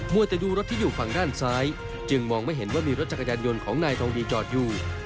วัวแต่ดูรถที่อยู่ฝั่งด้านซ้ายจึงมองไม่เห็นว่ามีรถจักรยานยนต์ของนายทองดีจอดอยู่